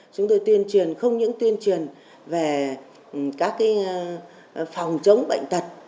chúng tôi tuyên truyền không những tuyên truyền về các phòng chống bệnh tật